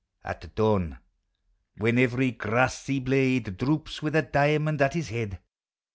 At dawn, when every grassy blade Droops with a diamond at his head.